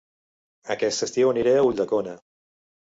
Aquest estiu aniré a Ulldecona